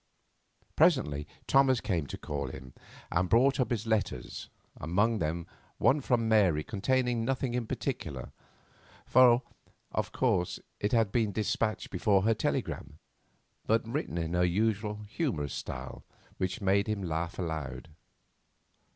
Presently Thomas came to call him, and brought up his letters, among them one from Mary containing nothing in particular, for, of course, it had been despatched before her telegram, but written in her usual humorous style, which made him laugh aloud.